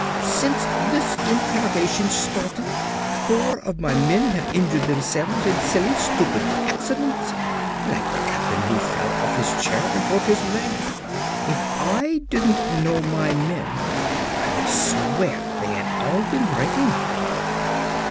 Since this interrogation started four of my men have injured themselves in silly, stupid accidents; like the captain who fell off his chair and broke his leg. If I didn't know my men, I would swear that they had all been drinking!"